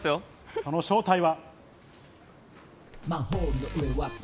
その正体は。